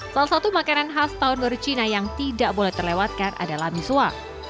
salah satu makanan khas tahun baru cina yang tidak boleh terlewatkan adalah misua